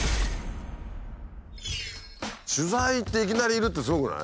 取材行っていきなりいるってすごくない？